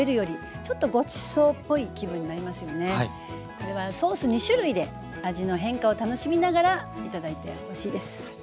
これはソース２種類で味の変化を楽しみながら頂いてほしいです。